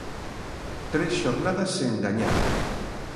Tres xornadas sen gañar.